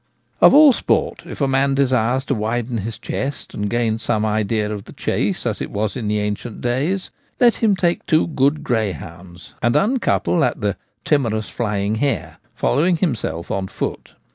Of all sport, if a man desires to widen his chest, 3nd gain some idea of the chase as it was in ancient days, let him take two good greyhounds and ' un couple at the timorous flying hare/ following himself on foot.